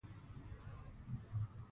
هیڅوک پوهېږې نه،